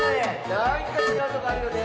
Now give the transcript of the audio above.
なんかちがうとこあるよね。